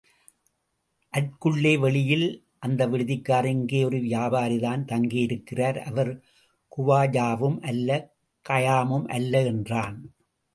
அற்குள்ளே வெளியில் வந்த் விடுதிக்காரன் இங்கே ஒரு வியாபாரிதான் தங்கியிருக்கிறார், அவர் குவாஜாவும் அல்ல கயாமும் அல்ல! என்றான்.